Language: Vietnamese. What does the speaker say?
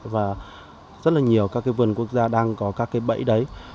và rất là nhiều các vườn quốc gia đang có các bẫy đấy